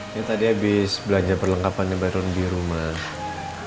ini tadi habis belanja perlengkapannya bareng di rumah